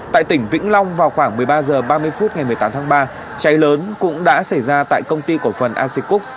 tại tỉnh vĩnh long vào khoảng một mươi ba h ba mươi phút ngày một mươi tám tháng ba cháy lớn cũng đã xảy ra tại công ty cổ phần acic cúc